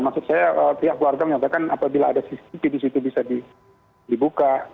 maksud saya pihak keluarga menyatakan apabila ada cctv di situ bisa dibuka